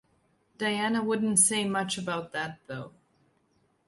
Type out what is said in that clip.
Diana wouldn’t say much about that, though.